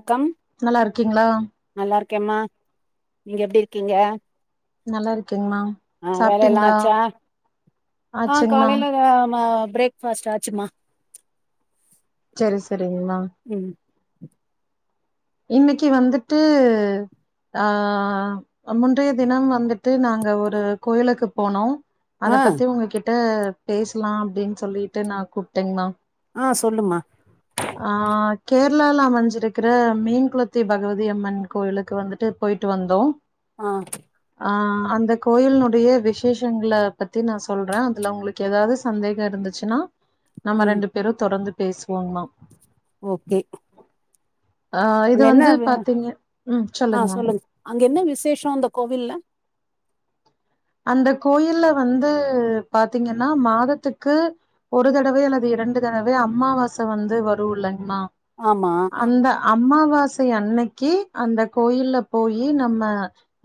அக்கம் நல்லா இருக்கீங்களா நல்லா இருக்கேம்மா நீங்க எப்டி இருக்கீங்க நல்லா இருக்கேங்கம்மா ஆ வேலையெல்லா சாப்ட்டீங்களா ஆச்சா ஆ ஆச்சுங்கமா காலையில அ வ பிரேக்ஃபாஸ்ட் ஆச்சுமா செரி செரிங்க்மா உ இன்னிக்கு வந்துட்டு ஆ முன்றைய தினம் வந்துட்டு நாங்க ஒரு கோயிலுக்கு போனோ அத ஆ பத்தி உங்ககிட்ட பேசலா அப்டின்னு சொல்லிட்டு நா கூப்பிட்டேங்ம்மா ஆ சொல்லுமா ஆ கேரளால அமஞ்சிருக்கிற மீன் குளத்தி பகவதியம்மன் கோயிலுக்கு வந்துட்டு போயிட்டு வந்தோ அ ஆ அந்த கோயிலினுடைய விசேஷங்கள பத்தி நா சொல்றே அதுல ஒங்களுக் கு ஏதாது சந்தேக இருந்துச்சுனா நம்ம ம் ரெண்டு பேரு தொடர்ந்து பேசுவோங் னா ஓகே ஆ இது அங்க வந்து என்ன வே பாத்தீங்க ம் சொல்லுங்க அங்க என்ன விசேஷோ அந்த கோவில்ல அந்த கோயில்ல வந்து பாத்தீங்கன்னா மாததுக்கு ஒரு தடவயோ அல்லது இரண்டு தடவயோ அம்மாவாச வந்து வருலங்மா ஆமா அந்த அம்மாவாசை அன்னைக்கி அந்த கோயில்ல போயி நம்ம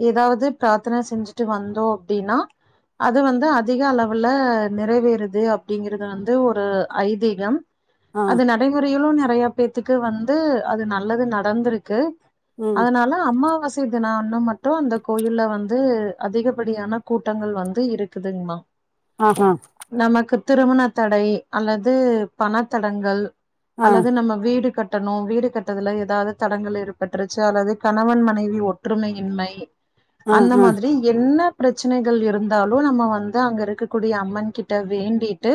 ஏதாவது பிராத்தன செஞ்சிட்டு வந்தோ அப்டின்னா அது வந்து அதிக அளவுல நெறவேறுது அப்டிங்கறது வந்து ஒரு ஐதீகம் ஆ அது நடைமுறையிலும் நெறய பேத்துக்கு வந்து அது நல்லது நடந்துருக்கு ம் அதனால அமாவாசை தினம்ன்னு மட்டும் அந்த கோயில்ல வந்து அதிகப்படியான கூட்டங்கள் வந்து இருக்குதுங்மா ஆ ஹா நமக்கு திருமண தடை அல்லது பணத்தடங்கள் ஆ அல்லது நம்ம வீடு கட் டணும் வீடு கட்றதுல ஏதாது தடங்கள் ஏற்பட்ருச்சு அல்லது கணவன் மனைவி ஒற்றுமையின்மை ஆ அந்த ஆ மாதிரி என்ன பிரச் சனைகள் இருந்தாலும் நம்ம வந்து அங்க இருக்கக்கூடிய அம்மன் கிட்ட வேண்டிட்டு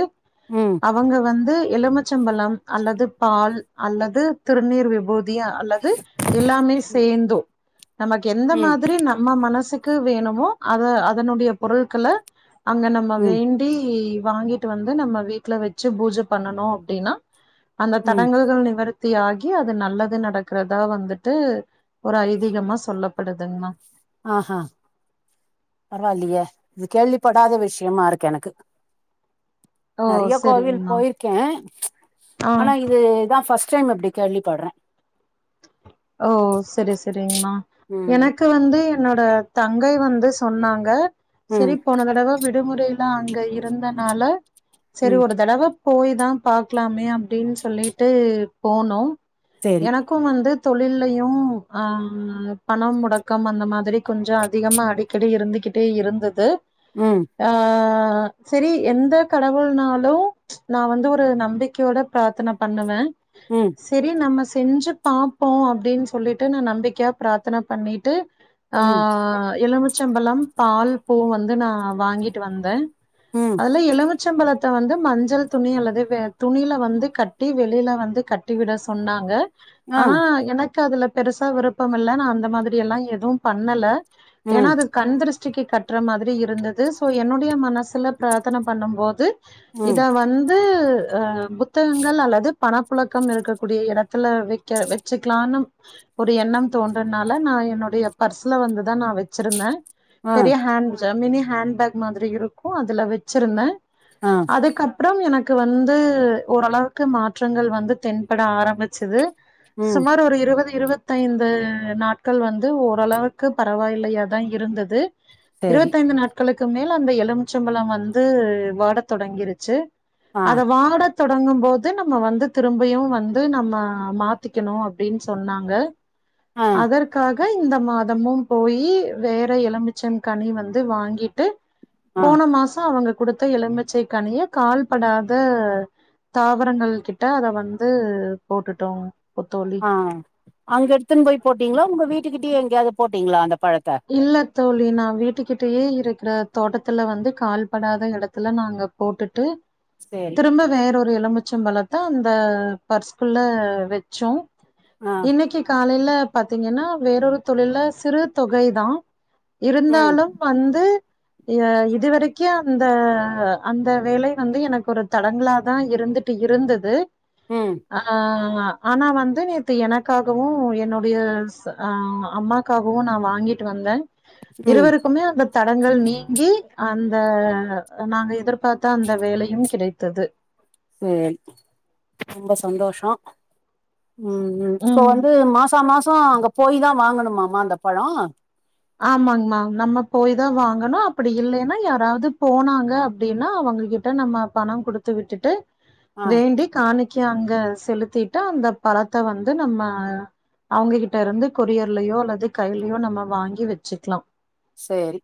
ம் அவங்க வந்து எலுமுச்சம்பழம் அல்லது பால் அல்லது திருநீர் விபூ தி அல்லது எல்லாமே சேந்து நமக்கு எந்த ம் மாதிரி ந ம்ம மனசுக்கு வேணுமோ அத அதனுடைய பொருள்கள அங்க நம்ம ம் வேண் டி வாங்கிட்டு வந்து நம்ம வீட்ல வச்சு பூஜ பண்ணனும் அப்டின்னா அந்த ம் தடங்கல்கள் நிவர் த்தியாகி அது நல்லது நடக்குறதா வந்துட்டு ஒரு ஐதீகமா சொல்லப்படுதுங்மா ஆ ஹா பரவாயில்லயே இது கேள்விப்படாத விஷயமா இருக்கு எனக்கு ஓ நறையா கோவில் செரிங்ண்ணா போயிருக்கே ஆ ஆனா இது தான் ஃபஸ்ட் டைம் இப்டி கேள்விபட்ற ஓ செரி செரிங்மா ம் எனக்கு வந்து என்னோட தங்கை வந்து சொன்னாங்க ம் சரி போன தடவ விடுமுறையில அங்க இருந்தனால சரி ம் ஒரு தடவப் போய் தான் பாக்லாமே அப்டின் சொல்லிட்டு போனோ சேரி எனக்கும் வந்து தொழில்லையும் அ பணம் முடக்கம் அந்த மாதிரி கொஞ்ச அதிகமாக அடிக் கடி இருந்துகிட்டே இருந்தது ம் ஆ சரி எந்த கடவுள்னாலும் நா வந்து ஒரு நம்பிக்கயோட பிராத்தன பண்ணுவ ம் சரி நம்ம செஞ்சு பாப்போம் அப்டின் சொல்லிட்டு நா நம்பிகயா பிராத்தன பண்ணிட்டு ஆ ம் எலுமுச்சம்பழம் பால் பூ வந்து நா வாங்கிட்டு வந்தேன் ம் அதுல எலுமுச்சம்பழத் த வந்து மஞ்சள் துணி அல்லது வ துணியில வந்து கட்டி வெளில வந்து கட்டி விட சொன்னாங்க ஆ ஆனா எனக்கு அதுல பெருசா விருப்பம் இல்ல நா அந்த மாதிரி எல்லாம் எதும் பண்ணல ஏனா ம் அது கண்திருஷ் ச்க்கி கட்டுற மாதிரி இருந்தது சோ என்னுடைய மனசுல பிராத்தன பண்ணு போது இத ம் வந்து அ புத்தகங்கள் அல்லது பணப்புழக்கம் இருக்கக்கூடிய எடத்துல வை க வச்சுக்கலானு ஒரு எண்ணம் தோன்றனால நா என்னோடைய பர்ஸ்ல வந்துதா நா வை ச்சிருந்தே ஆ பெரிய ஹேண் மினி ஹேண்பேக் மாதிரி இருக்கு அதுல வெச்சிருந்தே அ அதுக்கப்றம் எனக்கு வந்து ஓரளவுக்கு மாற்றங்கள் வந்து தென்பட ஆரம்பிச்சிது ம் சுமார் ஒரு இருவது இருவத் தைந்து நாட்கள் வந்து ஓரளவுக்கு பரவாயில்லையாதா இருந்தது சரி இருவத்தைந்து நாட்களுக்கு மேல் அந்த எலுமிச்சம்பழம் வந்து வாட தொடங்கிருச்சு ஆ அத வாட தொடங்கும் போது நம்ம வந்து திரும்பயு வந்து நம்ம மாத்திக்கணு அப் அப்டின் சொன்னாங்க ஆ அதற் காக இந்த மாதமும் போயி வேற எலுமிச்சம் கனி வந்து வாங்கிட்டு ஆ போன மாசோ அவங்க குடுத்த எழுமிச்சை கனிய கால்படாத தாவரங்கள் கிட்ட அத வந்து போட்டுட்டோ தோல் அ அங்கெடுத்துன்னு போய் போட்டீங்களா உங்க வீட்டுக்கிட்டயே எங்கயாது போட்டீங்களா அந்த பழத்த இல்ல தோழி நா வீட்டுக்கிட்டயே இருக்கிற தோட்டத்துல வந்து கால்படாத எடத்துல நாங்க போட்டுட்டு சேரி திரும்ப வேறொரு எலுமிச்ச பழத்த அந்த பர்ஸ்குள்ள வெச்சோ ஆ இன்னிக்கு காலைல பாத்தீங்கன்னா வேறொரு தொழில்ல சிறு தொகைதா ம் இருந்தாலும் வந்து ய இதுவரைக்கு அந்த அந்த வேலை வந்து எனக்கு ஒரு தடங்கள தா இருந்துட் இருந்தது ம் அ ஆனா வந்து நேத்து எனக்காகவு என்னோடைய ஸ் அம்மாக்காகவு நா வாங்கிட்டு வந்தே ம் இருவருக்குமே அந்த தடங்கள் நீங்கி அந்த நாங்க எதிர்பாத்த அந்த வேலையு கிடைத்தது சேரி ரொம்ப சந்தோசோ ம் இப்ப வந் வந்து மாசோ மாசோ அங்க போயி தா வாங்கணமாமா அந்த பழோ ஆமாங்மா நம்ம போய் தா வாங்கணு அப்படி இல்லேன்னா யாராது போனாங்க அப்படின்னா அவங்ககிட் நம்ம பண குடுத்து விட்டுட்டு ஆ வேண்டி காணிக் க அங்க செலுத்திட்டு அந்த பழத்த வந்து நம்ம அவங்ககிட்ட இருந்து கொரியர்லயோ அல்லது கைய்லயோ நம்ம வாங்கி வச்சுக்கலா சரி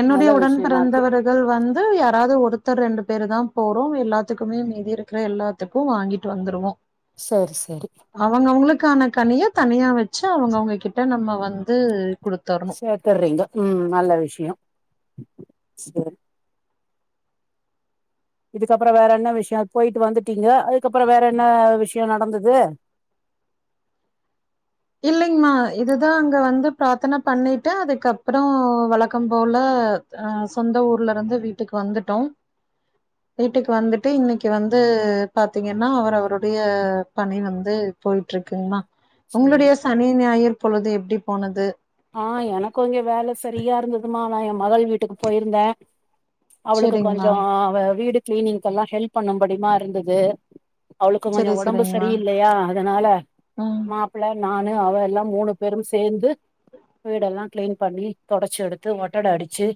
என்னுடைய நல்ல உடன் விஷயமா இருக்கு பிறந்தவரு தல் வந்து யாராது ஒருத்தர் ரெண்டு பேரு தா போறோ எல்லாத்துக்குமே மீதி இருக்கிற எல்லா [unintelligible] வாங்கிட்டு வந்துருவோ சரி சரி அவங்க அவங்களுக்கான கனிய தனியா வச்சு அவங்க அவங்க கிட்ட நம்ம வந்து கொடுத்தற் எடுத்றீங்க ம் நல்ல விஷயோ சேரி இதுக்கப்றோ வேற என்ன விஷயோ போய்ட்டு வந்துட்டீங்க அதுக்கப்றோ வேற என்ன விஷயோ நடந்தது இல்லைங்மா இதுதா அங்க வந்து பிராத்தன பண்ணிட்டு அதுக்கப்றோ வழக்கோ போல அ சொந்த ஊர்லருந்து வீட்டுக்கு வந்துட்டோம் வீட்டுக்கு வந்துட்டு இன்னிக்கு வந்து பாத்தீங்கன்னா அவர் அவருடைய பணி வந்து போயிட்ருக்குங்கமா உங்களுடைய சேரி சனி ஞாயிர் பொழுது எப்டி போனது ஆ எனக்கு இங்க வேல சரியா இருந்ததுமா நா எ மகள் வீட்டுக்கு போயிருந்தே அவளுக்கு செரிங்மா கொஞ்சோ வீடு கிளீனிங் கெல்லா ஹெல்ப் பண்ணும்படிமா இருந்தது அவளுக்கு கொஞ்சோ செரி ஒடம்பு செரிங்மா சரியில்லையா அதனால ம் மா பிள்ள நானு அவ எல்லா மூணு பேரும் சேந்து வீடெல்லா கிளீன் பண்ணி தொடச் எடுத்து ஒட்டட அடிச்சி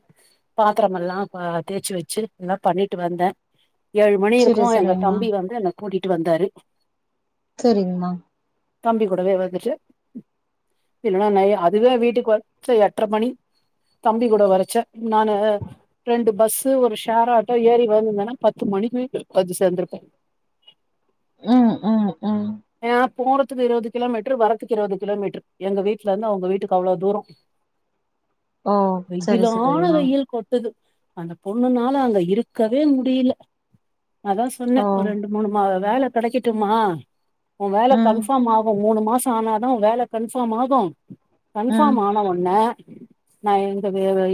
பாத்திரம் எல்லா ஆ தேய்ச்சு வெச்சு எல்லா பண்ணிட்டு வந்தே ஏழு மணி செரி இருக்கு எங்க செரிங்மா தம்பி வந்து என்ன கூட்டிட்டு வந்தாரு செரிங்ம்மா தம்பி கூடவே வந்துட்டு இல்லன்னா நய்ய அ இதுவே வீட்டுக்கு வரச்ச எட்டர மணி தம்பி கூட வரைச்ச நானு ரெண்டு பஸ் வந்து ஒரு ஷேர் ஆட்டோ ஏறி வந்திருந்தன்னா பத்து மணிக்கு வந்து சேந்துருப்பே ம் ம் ம் ஏ போறதுக்கு இருவ்து கிலோமீட்ரு வரதுக்கு இருவுது கிலோமீட்ரு எங்க வீட்லருந்து அவுங்க வீட்டுக்கு அவ்ளோ தூரோ ஓ செரி வெயிலான செரிங்மா வெயில் கொட்டுது அந்த பொண்ணுனால அங்க இருக்கவே முடியல அதா சொன்னே ஓ ஒரு ரெண்டு மூணு மா வேல கெடைக்கட்டும்மா உ வேல ம் கன்ஃபார்ம் ஆகு மூணு மாசோ ஆனா தா உ வேல கன்ஃபார்ம் ஆகு ம் கன்ஃபார்ம் ஆன உட்னே நா எங்க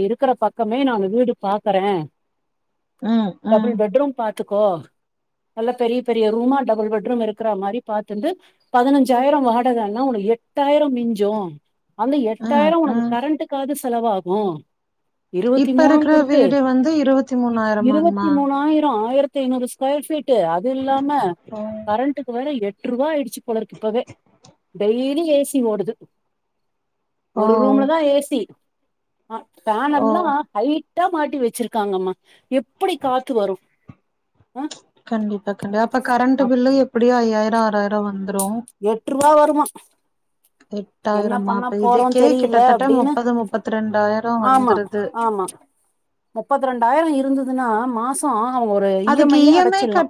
இருக்கற பக்கமே நானு வீடு பாக்குறே ம் ம் டபுள் பெட்ரூம் பாத்துக்கோ நல்லா பெரிய பெரிய ரூமா டபுள் பெட்ரூம் இருக்கற மாரி பாத்துன்டு பதினஞ்சாயிரோ வாடகன்னா ஒரு எட்டாயிரோ மிஞ்சு அந்த ம் எட்டாயிரோ உனக்கு ம் கரெண்ட்டுக்காது செலவாகு இருவத்தி இப்ப மூணு இருக்கிற குடுத்து வீடு வந்து இருவத்தி இ இருவத்தி மூணாயிரமாங்மா மூணாயிரோ ஆயிர தை நூறு ஸ்கொயர் பீட்டு அது இல்லாம ஓ கரண்ட்டுக்கு வேற எட் டுருவா ஆயிடுச்சு போல இருக்கு இப்பவே டெய்லி ஏ சி ஓடுது ஓ ஒரு ரூம்ல தா ஏசி அ ஓ ஃபேனெல்லா ஹைட் டா மாட்டி வெச்சிருக்காங்கம்மா எப்டி காத்து வரு அ கண்டிப்பா கண்டிப்பா அப்ப கரண்டு பில்லு எப்டியோ ஐயாயிரோ ஆறாயிரோ வந் எட்ருவா வருமா என்ன எட்டாயிரமா பண்ண அப்ப போறோன் இதுக்கே தெரியல கிட்டத்தட்ட அப்டீனு முப்பது முப்பத்தி ரெண்டாயிரோ ஆமா வந்துருது ஆமா முப்பத்த ரெண்டாயிரோ இருந்ததுன்னா மாசோ ஒரு இ எம் ஐ யே அடச்சில்லா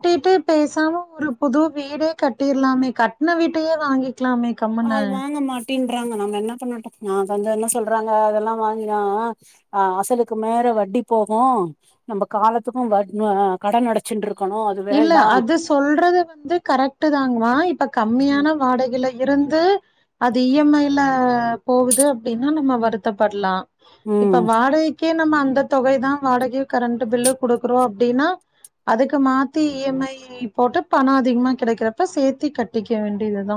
பேசாம ஒரு புது வீடே கட்டிர்லாமே கட்ன வீட்டையே வாங்கிக்லாமே அது வாங்க மாட்டின்றாங்க நம்ம என்ன பண்ணட்டு நா வந்து என்ன சொல்றாங்க அதெல்லா வாங்கினா அ அசலுக்கு மேற வட்டி போகு நம்ம காலத்துக்கு அ கடன் அடச்சின்ட்ருக்கணு அது இல்ல வேண்டாம் அது சொல்றது வந்து கரெக்ட் தாங்மா இப்ப கம்மியான வாடைல இருந்து அது இ எம் ஐ ல போகுது அப்டின்னா நம்ம வருத்தப்படலா இப்ப உம் வாடகை க்கே நம்ம அந்த தொகைதா வாடகையு கரண்டு பில்லு குடுக்குறோ அப்டின்னா அதுக்கு மாத் த்தி இ எம் ஐ போட்டு பணோ அதிகமா கெடைக்கறப்ப சேத்தி கட்டிக்க வேண்டியது தா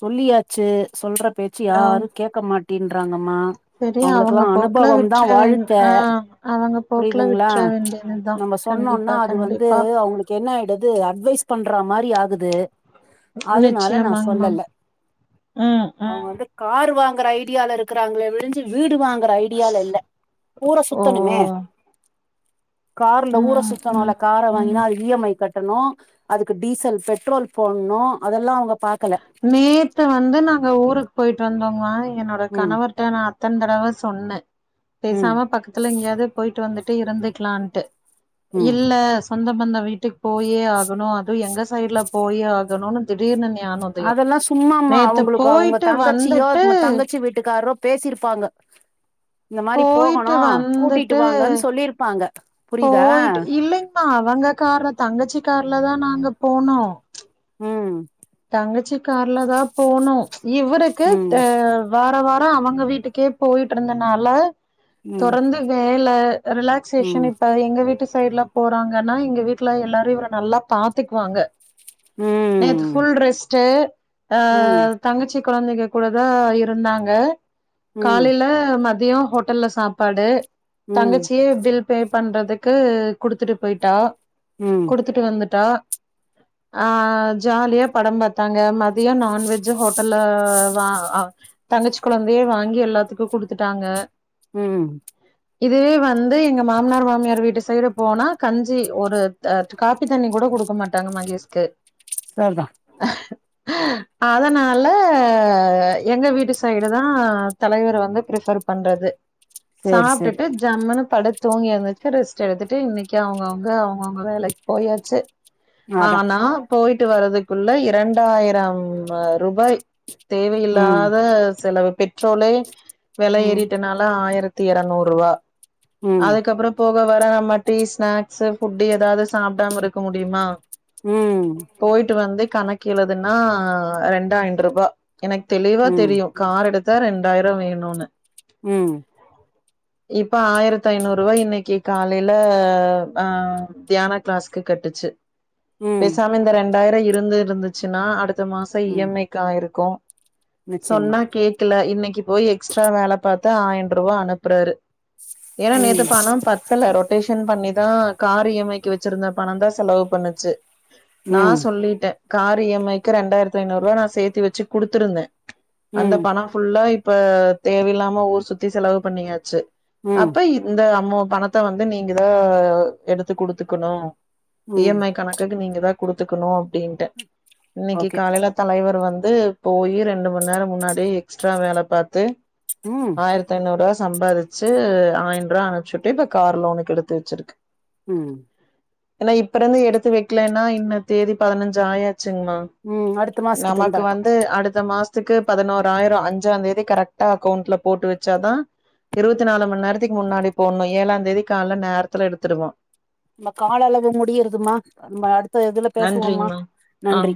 சொல்லியாச்சு சொல்ற பேச்சு ஆ யாரு கேக்க மாட்டின்றாங்கம்மா சரி அவுங்களுக்கு அவங்க கெல்லா போக்குல அனுபவம் தா விட்ற வேண் வாழ்க்க ஆ அவங்க போக்குல புரியுதுங்ளா விட்ற வேண்டியதுதான் நம்ம சொன்னோனா கண்டிப்பா அது வந்து கண்டிப்பா அவுங்ளுக் கென்னாய்டுது அட்வைஸ் பண்ற மாரி ஆகுது அதனால நா நிச்சயமாங்மா சொல்லல ம் அவுங்க ம் வந்து கார் வாங்கற ஐடியால இருக்கிறாங்ளே விழுஞ்சு வீடு வாங் கற ஐடியால இல்ல ஊர ஓ சுத்தணுமே கார்ல ஊற ம் சுத்தணுல்ல ம் கார ம் வாங்கினா அது இ எம் ஐ கட்டணு அதுக்கு டீசல் பெட்ரோல் போட்ணு அதெல்லா அவுங்க பாக்கல நேத்து வந்து நாங்க ஊருக்கு போய்ட்டு வந்தோங்க எனக் ம் கணவர்ட்ட நா அத்தன தடவ சொன்ன ம் பேசாம பக்க த்துல எங்கயாது போய்ட்டு வந்துட்டு இருந்துக்கலான்ட்டு ம் இல்ல சொந்த பந்த வீட்டுக்கு போயே ஆகணு அதுவு எங்க சைட்ல போயே ஆகணுன்னு திடீர்னு ஞானோ அதெல்லா சும்மாமா அவங்களுக்கு அவங்க தங்கச்சியோ வந்துட்டு தங்கச்சி வீட்டுக்காரோ பேசிருப்பாங்க இந்த மாரி போயிட்டு போகணு கூட்டிட்டு வாங்கன் சொல்லிருப்பாங்க புரியுதா போய்ட்டு இல்லைங்மா அவங்க கார்ல தங்கச்சி கார்ல தா நாங்க போனோ ம் தங்கச்சி கார்ல தா போனோ இவருக்கு ம் த வார வாரோ அவங்க வீட்டுக்கே போய்ட்டு இருந்தனால ம் தொடர்ந்து வேல ரிலக் சேஷன் ம் இப்ப எங்க வீட்டு சைடுல போறாங்கன்னா எங்க வீட்ல எல்லாரு இவர நல்லா பாத்துக்குவாங்க நேத்து ம் ஃபுல் ரெஸ் டு அ ம் தங்கச்சி கொழந்தைங்க கூட தா இருந்தாங்க ம் காலைல மதியோ ஹோட்டல்ல சாப்பாடு ம் தங்கச்சியே பில் பே பண்றதுக்கு குடுத்துட்டு பேய்ட்டா ம் குடுத்துட்டு வந்துட்டா ஆ ஜாலியா படம் பாத்தாங்க மதியோ நான்வெஜ் ஹோட்டல்ல வா தங்கச்சி கொழந்தையே வாங்கி எல்லாத்துக்கு குடுத்துட்டாங்க ம் இதுவே வந்து எங்க மாமனார் மாமியார் வீட்டு சைடு போனா கஞ்சி ஒரு அ காப்பி தண்ணி கூட குடுக்க மாட்டாங்க மகேஷ்க்கு சர்தா அதனால எங்க வீட்டு சைடு தா தலைவர் வந்து பிரிபர் பண்றது சேரி சேரி சாப்டுட்டு ஜம்முனு படுத்து தூங்கி எந்துச்சி ரெஸ்ட் எடுத்துட்டு இன்னைக்கி அவங்கவங்க அவங்கவங்க வேலைக்கு போயாச்சு அதா ஆனா போய்ட்டு வரதுகுள்ள இரண்டாயிரம் ரூபாய் ம் தேவையில்லாத செலவு பெட்ரோலே வெல ம் ஏறிட்டனால் ஆயிரத்தி எரநூறுவா ம் அதுக்கப்றோ போக வர நம்ம டீ ஸ்நாக்ஸு ஃபுட்டு ஏதாது சாப்டாம இருக்க முடியுமா ம் போய்ட்டு வந்து கணக்கு எழுதுன்னா ரெண்டாயின்ரூபா எனக்கு தெளிவா ம் தெரியு கார் எடுத்தா ரெண்டாயிரோ வேணுனு ம் இப்ப ஆயிரத்தி ஐநூரூவா இன்னிக்கி காலைல ஆ தியான க்ளாஸ்க்கு கட்டுச்சு ம் பேசாம இந்த ரெண்டாயிரோ இருந்து இருந்துச்சுன்னா அடுத்த மாசோ இ ம் எம் ஐ க்கு ஆயிருக்கு நிச்சயமா சொன்னா கேக் கல இன்னைக்கி போய் எக்ஸ்ட்ரா வேல பாத்து ஆயன் ரூபா அனுப்புறாரு ஏனா நேத்து ம் பணோ பத் தல ரொட்டேஷன் பண்ணிதா கார் இ எம் ஐ க்கு வச்சிருந்த பணோந் தா செலவு பண்ணுச்சு நா ம் சொல்லிட்ட கார் இ எம் ஐ க்கு ரெண்டாயிரத்து ஐநூரூவா நா சேத்தி வச்சு குடுத்துருந்த அந்த ம் பணோ ஃபுல்லா இப்ப தேவல்லாம ஊர் சுத்தி செலவு பண்ணியாச்சு ம் அப்ப இப் இந்த அம்மோ பணத்த வந்து நீங்க தா எடுத்து குடுத்துக்கணு இ ம் எம் ஐ கணக்குக்கு நீங்க தா குடுத்துக்கணு அப்டின்ட்ட இன்னைக்கு ஓகே காலைல தலைவர் வந்து போயி ரெண்டு மண் நேரோ முன்னாடி எக்ஸ்ட்ரா வேல பாத்து ம் ஆயிர த்து ஐநூறு ரூபா சம்பாதிச்சி ஆயின் ரூபா அனுபுச்சுட்டு இப்போ கார் லோனுக்கு எடுத்து வெச்சிருக்கு ம் ஏன்னா இப்ப இருந்து எடுத்து வெக்கலன்னா இன்ன தேதி பதினஞ்சு ஆயாச்சுங்கமா ம் அடுத்த மாசத்துக்கு நமக்கு திண்டாட்டோ வந்து அடுத்த மாச த்துக்கு பதினோராயிரோ அஞ்சா தேதி கரெக்டா அக்கௌண்ட்ல போட்டு வெச்சாதா இருவத்தி நாலு மணி நேரத்துக்கு முன்னாடி போட்ணு ஏழாம் தேதி கால நேரத்தல எடுத்துருவா நம்ம கால அளவு முடியறதுமா நம்ம அடுத்த இதுல பேசுவோம்மா நன்றிங்மா ஆ நன்றி